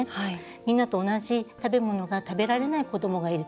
みんなと同じものが食べ物が食べられない子どもがいる。